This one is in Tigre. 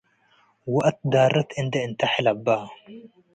ወአት ዳረት እንዴ እንተ ሕለበ።